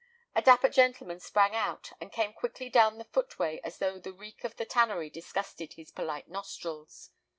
A dapper gentleman sprang out, and came quickly down the footway as though the reek of the tannery disgusted his polite nostrils.